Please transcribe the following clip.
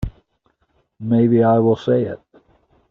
Maybe I will say it.